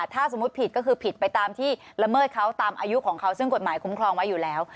ถ้าสมมุติผิดก็คือผิดไปตามที่ละเมิดเขาตามอายุของเขาซึ่งกฎหมายคุ้มครองไว้อยู่แล้ว